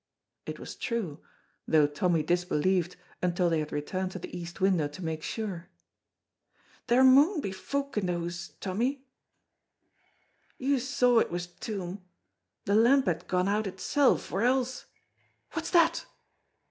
It was true, though Tommy disbelieved until they had returned to the east window to make sure. "There maun be folk in the hoose, Tommy!" "You saw it was toom. The lamp had gone out itself, or else what's that?"